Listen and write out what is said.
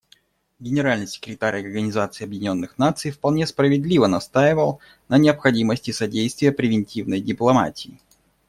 Генеральный секретарь Организации Объединенных Наций вполне справедливо настаивал на необходимости содействия превентивной дипломатии.